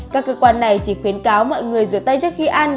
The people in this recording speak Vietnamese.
các cơ quan này chỉ khuyến cáo mọi người rửa tay trước khi ăn